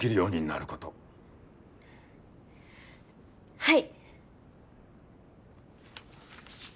はい。